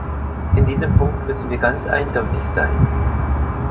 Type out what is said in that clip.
In diesem Punkt müssen wir ganz eindeutig sein.